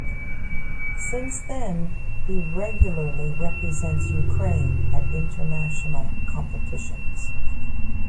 Since then he regularly represents Ukraine at international competitions.